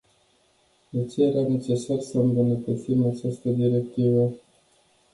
De ce era necesar să îmbunătățim această directivă?